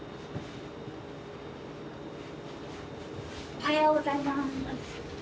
おはようございます。